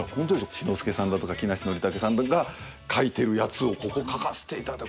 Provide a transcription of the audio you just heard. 志の輔さんだとか木梨憲武さんが書いてるやつをここ書かせていただく。